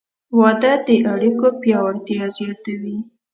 • واده د اړیکو پیاوړتیا زیاتوي.